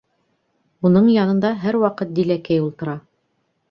Уның янында һәр ваҡыт Диләкәй ултыра.